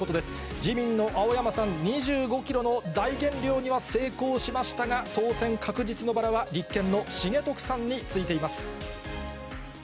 自民の青山さん、２５キロの大減量には成功しましたが、当選確実のバラは立憲の重徳さんについています。